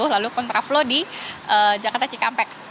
lalu kontraflow di jakarta cikampek